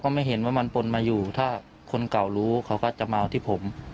ไม่เห็นว่ามันปนมาอยู่ถ้าคนเก่ารู้เขาก็จะเมาที่ผม